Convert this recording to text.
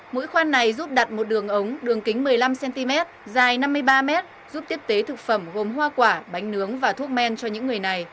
mũi khoan này giúp đặt một đường ống đường kính một mươi năm cm dài năm mươi ba m giúp tiếp tế thực phẩm gồm hoa quả bánh nướng và thuốc men cho những người này